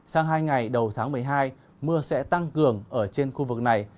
sang hai ngày đầu tháng một mươi hai mưa sẽ tăng cường ở trên khu vực này